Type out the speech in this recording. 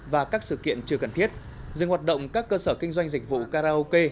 và các sự kiện chưa cần thiết dừng hoạt động các cơ sở kinh doanh dịch vụ karaoke